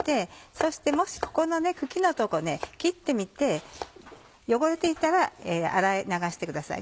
そしてここの茎のとこ切ってみて汚れていたら洗い流してください。